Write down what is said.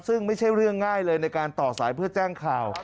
ซึ่งไม่ใช่เรื่องง่ายเลยในการต่อสายเพื่อแจ้งข่าว